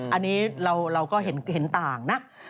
อันนี้เราก็เห็นต่างนะ